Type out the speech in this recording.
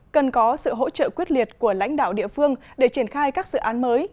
cần có sự hỗ trợ quyết liệt của lãnh đạo địa phương để triển khai các dự án mới